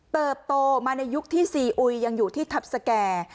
โตมาในยุคที่ซีอุยยังอยู่ที่ทัพสแก่